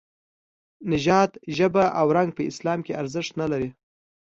نژاد، ژبه او رنګ په اسلام کې ارزښت نه لري.